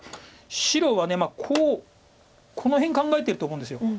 白はこうこの辺考えてると思うんです。